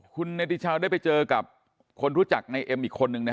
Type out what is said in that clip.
คุณเนติชาวได้ไปเจอกับคนรู้จักในเอ็มอีกคนนึงนะฮะ